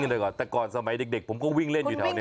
เลยก่อนแต่ก่อนสมัยเด็กผมก็วิ่งเล่นอยู่แถวนี้